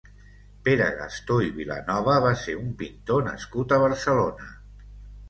Pere Gastó i Vilanova va ser un pintor nascut a Barcelona.